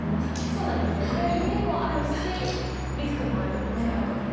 そうなんですこれは夢もあるしリスクもある打ち方です。